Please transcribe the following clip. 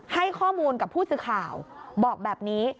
ให้ข้อมูลกับผู้สื่อข่าวบอกแบบนี้